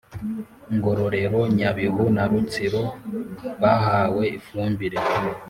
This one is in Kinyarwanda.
Ngororero, Nyabihu na Rutsiro bahawe ifumbire